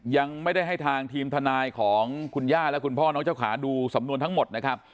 ยังไม่ได้ให้ทางทีมทนายของคุณย่าและคุณพ่อน้องเจ้าขาดูสำนวนทั้งหมดนะครับ